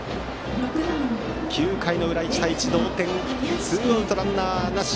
９回の裏、１対１同点ツーアウト、ランナーなし。